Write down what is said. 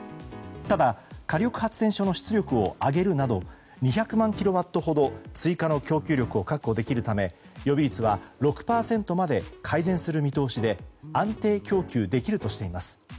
ただ、火力発電所の出力を上げるなど２００万キロワットほど追加の供給力を確保できるため予備率は６％まで改善する見通しで安定供給できるとしています。